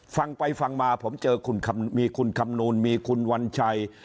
ฟังไปฟังมาผมเจอคุณมีคุณคำนูลมีคุณวัญชัย